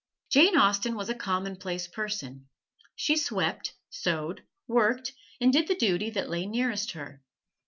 Jane Austen was a commonplace person. She swept, sewed, worked, and did the duty that lay nearest her.